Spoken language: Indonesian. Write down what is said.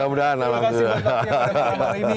yang kita bicarakan hari ini